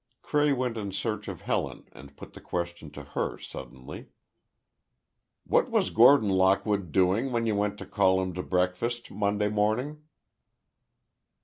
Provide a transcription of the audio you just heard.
Cray went in search of Helen and put the question to her suddenly. "What was Gordon Lockwood doing, when you went to call him to breakfast, Monday morning?"